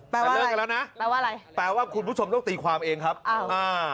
แปลว่าอะไรแปลว่าคุณผู้ชมต้องตีความเองครับอ้าว